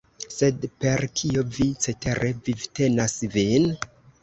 Sed per kio vi cetere vivtenas vin?